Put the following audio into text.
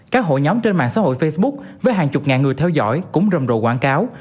các hội nhóm trên mạng xã hội facebook với hàng chục ngàn người theo dõi cũng rầm rộ quảng cáo